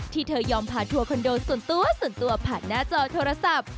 ที่เธอยอมพาทัวร์คอนโดส่วนตัวผ่านหน้าจอโทรศัพท์